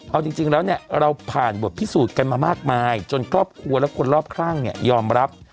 เอาจริงแล้วเนี่ยเราผ่านบทพิสูจน์กันมามากมายจนครอบครัวและคนรอบข้างเนี่ยยอมรับ